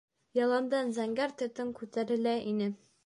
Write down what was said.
Яландан зәңгәр төтөн күтәрелә ине.